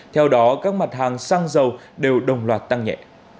theo đó các mặt hàng xăng dầu đều đồng loạt tăng nhẹ